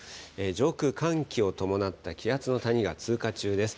上空、寒気を伴った気圧の谷が通過中です。